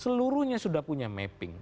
seluruhnya sudah punya mapping